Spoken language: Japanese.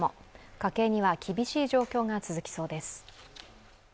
家計には厳しい状況が続きそうです。